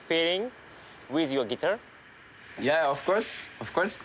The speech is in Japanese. オフコース。